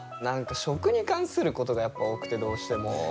食に関することがやっぱ多くてどうしても。